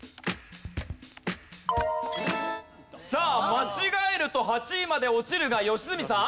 さあ間違えると８位まで落ちるが良純さん。